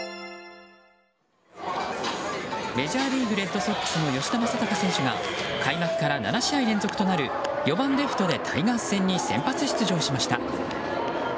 メジャーリーグレッドソックスの吉田正尚選手が開幕から７試合連続となる４番レフトでタイガース戦に先発出場しました。